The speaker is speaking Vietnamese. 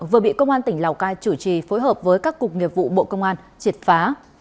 vừa bị công an tỉnh lào cai chủ trì phối hợp với các cục nghiệp vụ bộ công an triệt phá